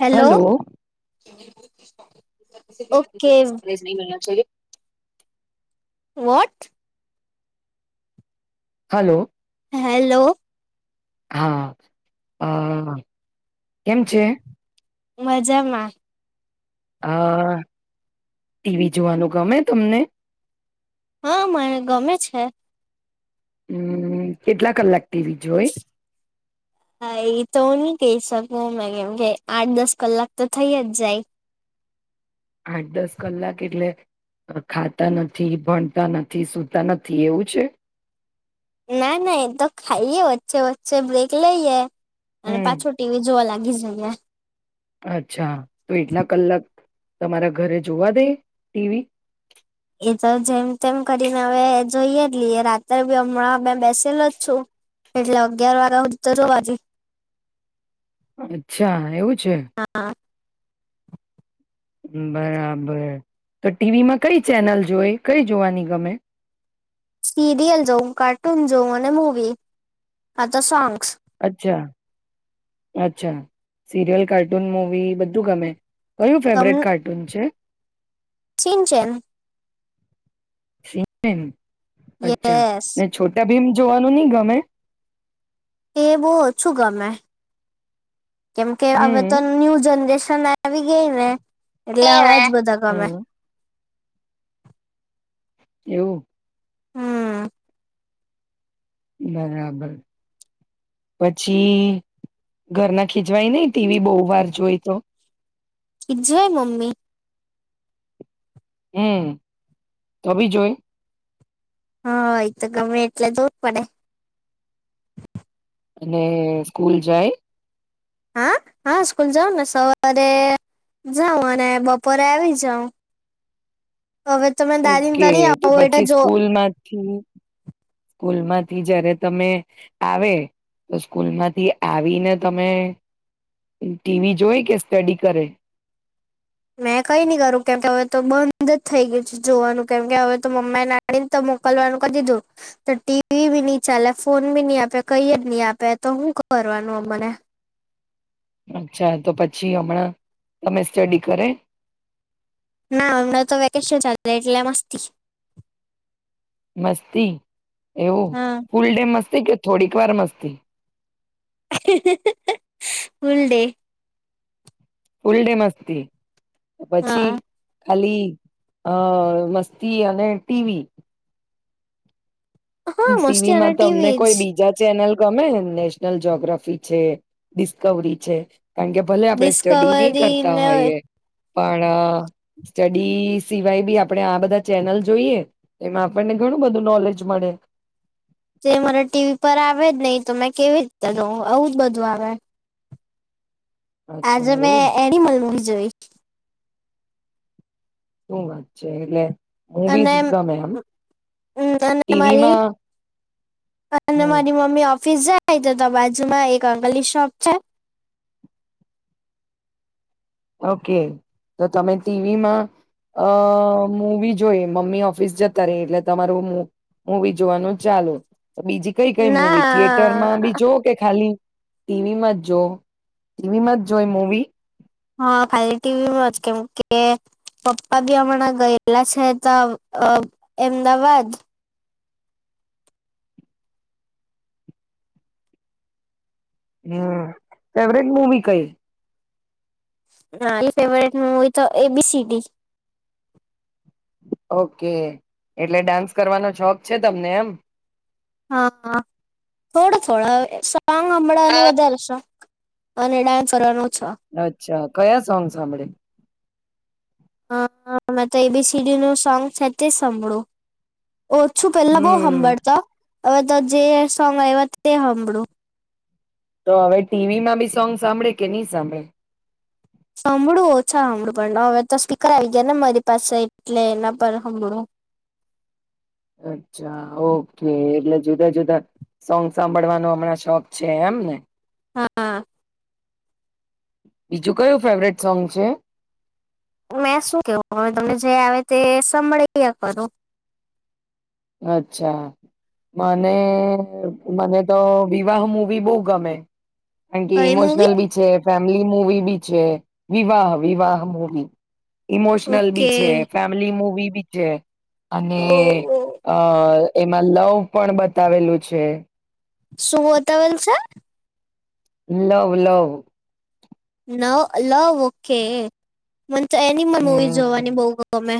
Hello hello. Okay [unintelligible] what hello. Hello. હા હ. કેમ છે? મજામાં. હા ટીવી જોવાનું ગમે તમને. હા મરે ગમે છે. હમ. કેટલા કલાક ટીવી જોઈ હા એ તો ન કે સક હ મે કેમ કે આઠ દસ કલાક તો થઇ જ જાય. આઠ દસ કલાક એટલે ખાતા નથી ભણતા નથી સુતા નથી એવું છે. ના ના એ તો ખાઈએ વચ્ચે વચ્ચે બ્રેક લઈએ. અને હમ પાછો ટીવી જોવા લાગે લી જ નહી. અચ્છા. તો એટલા કલાક. તમારા ઘરે જોવા દે ટીવી એ તો જેમ તેમ કરીને હવે જોઈએ લઈએ રાત્રે બી હમણાં મે બેસેલો જ છું એટલે અગયાર વાગ્યા હ તો જવાથી અચ્છા એવું છે. હા બરાબર તો ટીવી માં કઈ ચેનલ જોઈ કઈ જોવાની ગમે સીરિયલ જાઉ કાર્ટૂન જાઉ અને મુવી કા તો સોંગ્સ અચ્છા અચ્છા સિરિયલ કાર્ટૂન મુવી બધું ગમે કયું ફેવરેટ કાર્ટૂન છે. ચિન્ છેેમ શ મેન અચ્છા યસ અનેને છોટા ભીમ જોવાનું નહી ગમે એવોઉ ઓ છુ ગમેં કેમ કે હવે તો હમ્મ. ન્યુ જનરેશન ના આવી ગઈને એટલે આવાજ બધા ગમે હમ્મ એવું હમ બરાબર પછી ઘરના ખીચવાય નહી ટીવી બહુ વાર જોય તો જોય મમ્મી હમ ત બી જોઈ હા એ તો ગમે એટલે જવ જ પડે અને સ્કૂલ જાય હા હા સ્કૂલ જાવ ને સવારે જાવ અને બપોરે આવી જાવ ઓકે તો પછી જો સ્કૂલ માંથી સ્કૂલ માંથી જય્યારે તમે આવે તો સ્કૂલમાંથી આવીને તમે ટીવી જોઈ કે સ્ટડી કરે મેં કઈ નહી કરું કેમકે હવે તો બંધ જ થઈ ગયું જોવાનું કેમકે હવે તો મમ્મા એને નાડીને તો મોકલવાનું ક દીધું તો ટીવી બી નહી ચાલે ફોન બી નહી આપે કઈ જ નહી આપે તો હું કરવાનું મને અચ્છા તો પછી હમણાં તમે સ્ટડી કરે ના હમણાં તો વેકેશન ચાલે એલા મસ્તી મસ્તી એવું હા ફૂલ ડે મસ્ત કે થોડીક વાર મસ્તી ફૂલ ડે ફુલ ડે મસ્તી પછી, હા ખાલી અ મસ્તી અને ટીવી. હા મસ્તી અને ટીવીમાં તમને ટીવી જ કોઈ બીજા ચેનલ ગમે નેશનલ જગ્રાફી છે ડિસ્કવરી છે. કારણ કે ભલે આપડણે સ્ટડી નહી ડિસ્કવરી કરતા ને હોઈએ. પણ સ્ટડી સિવાય બી આપણેે આ બધા ચેનલ જોઈએ એમાં આપણને ઘણું બધું નોલેજ મળે. જે મને ટીવી પર આવે જ નહી તો મેં કેવી રીતે જોઉ આવું જ બધું આવે. આજે અચ્છા મેં એવું એનિમલ મુવી જોઈ. વાત છે એટલે મુવીઝ અને ગમે એમ મારી ટીવીમાં અને હમ મારી મમ્મી ઓફિસ જા જ તો બાજુમાં એક અંકલી શોપ છે. ઓકે તો તમે ટીવીમાં અ મૂવી જોઈ મમ્મી ઓફિસ જતા રેય એટલે તમારું મૂવી જોવાનું ચાલુ. બીજી કઈ કઈ મુવી થિયેટરમાં ના બી જો કે ખાલી ટીવીમાં જો ટીવીમાં જ જોય મૂવી હા ખાલી ટીવીમાં જ કેમ કે પપ્પા બી હમણાં ગયેલા છે ત અ એમદાવાદ હમ્મ ફેવરેટ મુવી કઈ? મારી ફેવરેટ મૂવી તો A B C D. Okay એટલે ડાન્સ કરવાનો છોખ છે તમને એમ હા હા થોડા થોડા સોન્ગ હામળાનું વધારે શોખ. અને ડાન્સ કરવાનો છે અચ્છા કયા સોંગ સાંભળે? હ અ મેં તો એ બી સી ડી નું સોંગ છે તે સાંભળું. ઓછું પેલા બો હમ હામ્બળતો અવે તો જે સોંગ આયવા તે હાંભળું તો હવે ટીવીમાં બી સોંગ સાંભળે કે ની સાંભળે. સાંભળું ઓછા હાંભળું પણ હવે તો સ્પીકર આવી ગયા ને મારી પાસે એટલે એના પર હાંભળું. અચ્છા ઓકે એટલે જુદા જુદા સોંગ સાંભળવાનો હમણાં શોખ છે એમને હા. બીજું કયું ફેવરેટ સોંગ છે? મેં શું કેવ હવે તમને જે આવે તે સંભળીયા કરો. અચ્છા મને મને તો વિવાહ મુવી બઉ ગમે. કારણ કે કઈ મૂવી ઇમોશનલ બી છે પે [unintelligible] મૂવી બી છે Vivah Vivah movie. Emotional okay બી છે ફેમિલી મૂવી બી જે અને ઓ અ એમાં લવ પણ બતાવેલું છે. શું બતાવેલું છે? લવ લવ નવ લવ ઓકે. મન તો એનિમલ મૂવી હમ જોવાની બઉ ગમે.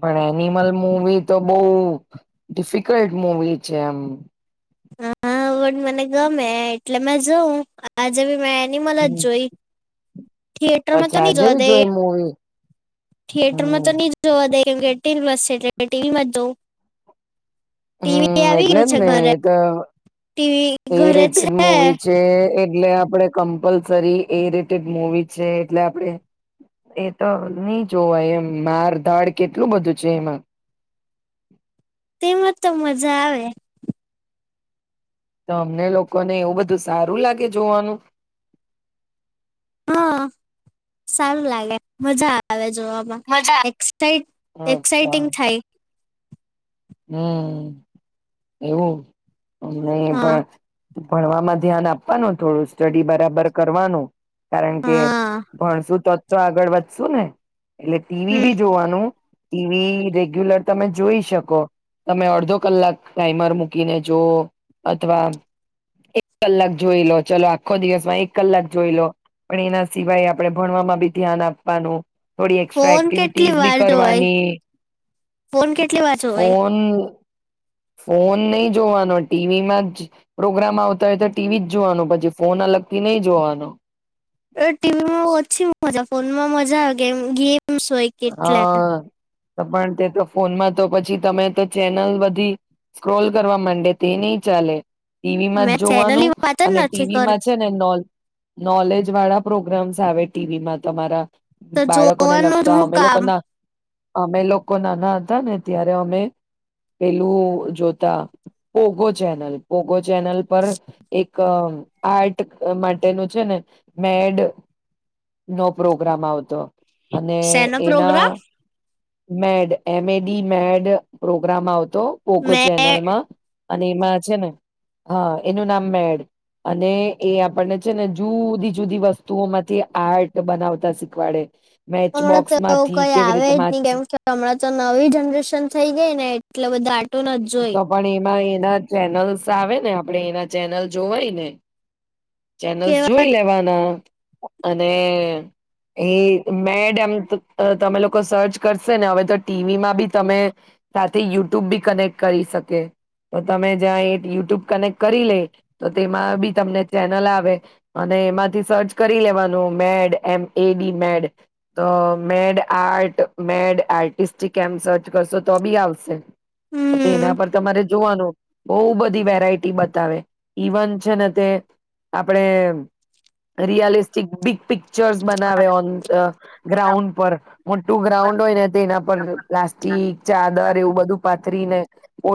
પણ એનિમલ મૂવી તો બઉ ડિફિકલ્ટ મુવી છે એમ. હા બટ મને ગમે એટલે મે જોઉં આજે બી મે એનિમલ જ હમ જોઈ થિયેટરમાં તો અચ્છા ની આજે જોવા બી દેય જોઈ મૂવી થિયેટરમાં તો હમ ની જોવા દેય કેમ કે એટીન પલ્સ છે એટલે ટીવી માં જ જોઉં ટીવી હમ્મ આવી એટલે ગયું છે ને ઘરે ટીવી ઘરે [unintelligible] છે મુવી છે એટલે આપણે કમ્પલસરી એ રટેડ મુવી છે એટલે આપણેે એ તો નહી જોવાય એમ મારધાડ કેટલું બધું છે એમાં તેમાં તો મજા આવે તો અમને લોકોને એવું બધું સારું લાગે જોવાનું હા સારું લાગે મજા આવે જોવામા એ એક્સાઈટિંગ થાય હમ્મ એવું નહી હા પણ ભણવામાં ધ્યાન આપવાનું થોડું સ્ટડી બરાબર કરવાનું કારણ કે હા ભણસું તો તો આગળ વધશુ ને એટલે ટીવી બી હમ જોવાનું ટીવી રેગ્યુલર તમે જોઈ શકો તમે અડધો કલાક ટાઈમર મૂકીને જઓ અથવા એક કલાક જોઈ લો ચલો આખો દિવસમાં એક કલાક જોઈ લો પણ એના સિવાય આપણે ભણવામાં બી ધ્યાન આપવાનું થોડી એક્સ્ટ્રા ફોન કેટલી એક્ટિવિટીઝ બી વર જોવાય કરવાની ફોન કેટલી વર જો ફોન ફોન નહી જોવાનો ટીવીમાં જ પ્રોગ્રામ આવતા હોય તો ટીવી જ જોવાનો પછી ફોન અલગથી નહી જોવાનો ટીવી માં ઓછી મજા ફોનમાં મજા આવે ગેમ ગે ગેમ્સ હોયે એટલે હા પણ તે તો ફોનમાં તો પછી તમે તો ચેનલ બધી સ્ક્રોલ કરવા માંડે તે નહી ચાલે ટીવીમાં મેં જ ચેનલી જોવાનું વાત જ અને નથી કરતી ટીવીમાં છે ને નોલ નોલેજ વાળા પ્રોગ્રામ્સ આવે ટીવીમાં તમારા તો બાળકો ને લગ જોવાનું હું તમે લોકો કામ ના અમે લોકો નાના હતા ને ત્યારે અમે પેલું જોતા પોગો ચેનલ પોગો. ચેનલ પર એક આર્ટ માટેનું છે ને મેડ નો પ્રોગ્રામ આવતો. ને શેનો એના programme mad M A D mad programme આવ તો પોગો મેં ચેનલમાં અને એમાં છે ને હા એનું નામ મેડ અને એ આપણને છે ને જુદી જુદી વસ્તુઓ માંથી આર્ટ બનાવતા શીખવાડે. મેચ હમણાં બોક્સ તો માંથી કઈ કેવી આવે રીતે જ નહી કેમ વાતચીત કે હમણાં તો નવી જનરેશન થઈ ગઈ ને એટલે બધા આટું ન જોઈ તો પણ એમાં એના ચેનલ્સ આવે ને આપડે એના ચેનલ જોવાય ને ચેનલસ કેવા જોઈ લેવાના. અને એ મેડ એમ તમે લોકો સર્ચ કરશે ને હવે તો ટીવીમાં બી તમે સાથે યુટ્યુબ બી કનેક્ટ કરી શકે તો તમે જ્યાં એ યુટ્યુબ કનેક્ટ કરી લે તો તેમાં બી તમને ચેનલ આવે અને એમાંથી સર્ચ કરી લેવાનું મેડ એ એ મેડ તો મેડ આર્ટ મેડ આર્ટસ્ટિક એમ સર્ચ કરશો તો બી આવશે. હમ એના પર તમારે જોવાનું બહુ બધી વેરાયટી બતાવે ઈવન છે ને તે આપડે રિયલિસ્ટિક બિગ પિક પિક્ચર્સ બનાવે ઓન ગ્રાઉન્ડ પર. મોટું ગ્રાઉન્ડ હોય ને તે એના પર પ્લાસ્ટિક ચાદર એવું બધું પાથરી ને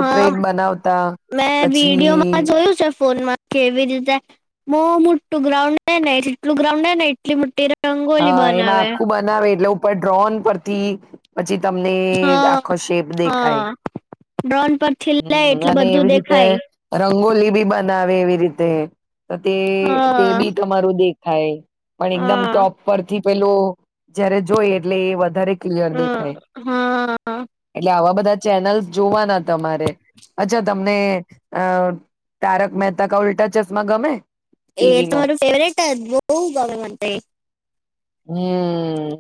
હા મેં પછી વિડીયોમાં જોયું છે ફોનમાં કેવી રીતે બો મોટું. ગ્રાઉન્ડ એ જેટલું ગ્રાઉન્ડ ને એટલી મોટી રંગોલી હા એમાં બનાવે આખું બનાવે એટલે ડ્રોન પરથી પછી તમને હા આખો શેપ દેખાય. હા ડ્રોન પરથી લે હમ એટલે અને બધું એવી રીતે દેખાય રંગોલી બી બ નાવે એવી રીતે. તો તે તે હા. બી તમારું દેખ થાય પણ એકદમ હા ટોપ પરથી પેલો જયારે જોય એટલે એ વધારે ક્લીઅર હા. દેખાય હા એટલે આવા બધા ચેનલ જોવાના તમારે અચા ત તમને અ તારક મહેતા ક ઉલ્ટા ચશ્મા ગમે એ તો ટીવીમાં મારું ફેવરેટ જ બહું ગમે મને તોએ હમ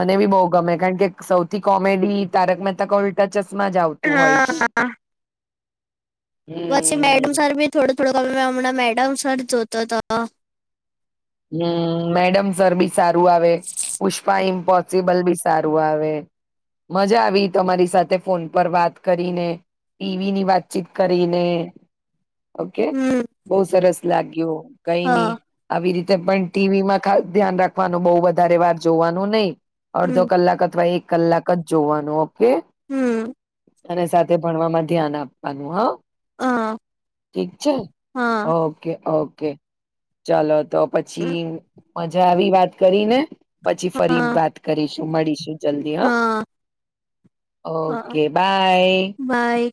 મને બી બો ગમે કારણ કે સૌથી કોમેડી તારક મહેતા ક ઉલ્ટા ચશ્મા જ આવતું હોય હા પછી મેડમ હમ સર ભી થોડુ થડો હમણાં મેડમ સર જોતો હતો હમ્મ મેડમ સર બી સારુ આવે પુષ્પા ઈમ્પ પોસ્સીબલ બી સારું આવે મજા આવી તમારી સાથે ફોન પર વાત કરીને ટીવી ની વાતચીત કરીને ઓકે હમ. બો સરસ લાગ્યું કઈ હા ની આવી રી પણ ટીવી માં ખાસ ધ્યાન રાખવાનું બો વધારે વાર જોવાનું ની હમ અડધો કલાક અથવા એક. કલાક જ જોવાનું ઓકે. હમ્મ અને સાથે ભણવામાં ધ્યાન આપવાનું હા. હા. ઠીક છે હા ઓકે ઓકે. ઓકે ચાલો. તો પછી. મજા આવી વાત કરી ને. પછી ફરી હા વાત કરીશ. મળીશુ જલ્દી હ, હા હા. Okay bye. બાય.